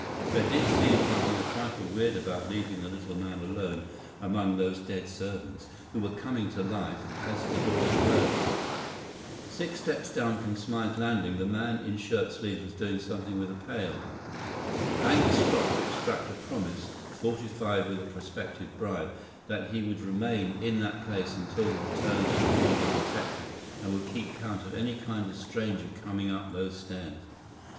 There did seem something a trifle weird about leaving the little man alone among those dead servants, who were coming to life as the door closed. Six steps down from Smythe's landing the man in shirt sleeves was doing something with a pail. Angus stopped to extract a promise, fortified with a prospective bribe, that he would remain in that place until the return with the detective, and would keep count of any kind of stranger coming up those stairs.